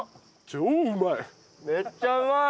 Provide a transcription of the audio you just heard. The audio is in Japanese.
超うまい！